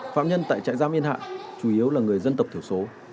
phạm nhân tại trại giam yên hạng chủ yếu là người dân tộc thiểu số